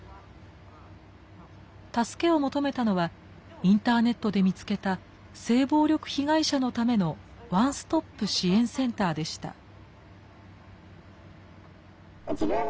助けを求めたのはインターネットで見つけた性暴力被害者のためのワンストップ支援センターでした。